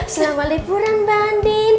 selamat liburan bandin